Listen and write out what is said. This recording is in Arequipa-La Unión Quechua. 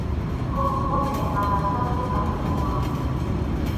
Huk pʼunchaw mala suerte pasarquwan.